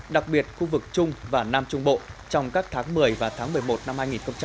đặc biệt khu vực trung và nam trung bộ trong các tháng một mươi và tháng một mươi một năm hai nghìn hai mươi